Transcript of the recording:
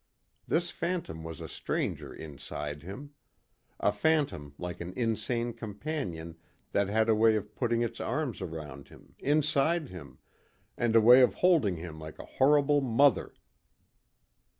This phantom was a stranger inside him. A phantom like an insane companion that had a way of putting its arms around him, inside him, and a way of holding him like a horrible mother.